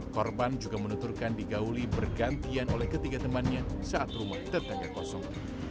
korban juga menuturkan digauli bergantian oleh ketiga temannya saat rumah tetangga kosong